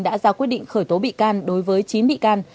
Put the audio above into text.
đã ra quyết định khởi tố bị can đối với chín bị can